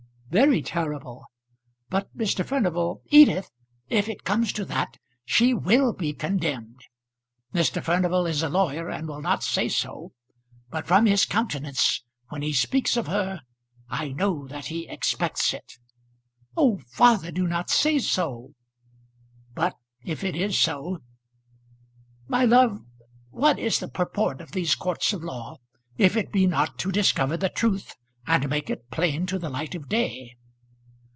"Very terrible! But Mr. Furnival " "Edith, if it comes to that, she will be condemned. Mr. Furnival is a lawyer and will not say so; but from his countenance, when he speaks of her, I know that he expects it!" "Oh, father, do not say so." "But if it is so . My love, what is the purport of these courts of law if it be not to discover the truth, and make it plain to the light of day?"